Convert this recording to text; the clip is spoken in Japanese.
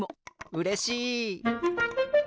うれしい！